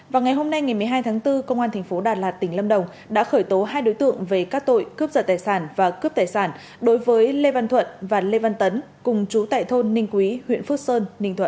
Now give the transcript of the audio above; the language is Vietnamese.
vào ngày hôm nay ngày một mươi hai tháng bốn công an thành phố đà lạt tỉnh lâm đồng đã khởi tố hai đối tượng về các tội cướp giật tài sản và cướp tài sản đối với lê văn thuận và lê văn tấn cùng chú tại thôn ninh quý huyện phước sơn